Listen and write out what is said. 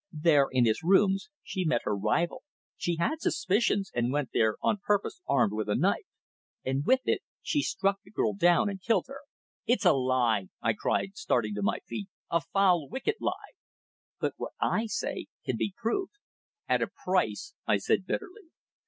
There, in his rooms, she met her rival she had suspicions and went there on purpose armed with a knife. And with it she struck the girl down, and killed her." "It's a lie!" I cried, starting to my feet. "A foul, wicked lie!" "But what I say can be proved." "At a price," I said bitterly.